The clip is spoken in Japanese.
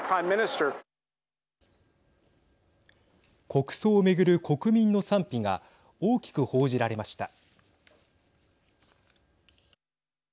国葬を巡る国民の賛否が大きく報じられました。